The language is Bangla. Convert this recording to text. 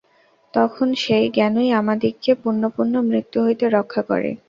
তখন সেই জ্ঞানই আমাদিগকে পুনঃপুন মৃত্যু হইতে রক্ষা করে।